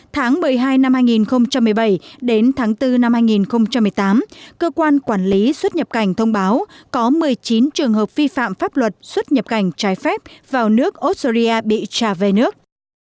tháng một mươi hai năm hai nghìn một mươi bảy đến tháng bốn năm hai nghìn một mươi tám cơ quan quản lý xuất nhập cảnh thông báo có một mươi chín trường hợp vi phạm pháp luật xuất nhập cảnh trái phép vào nước australia bị trả về nước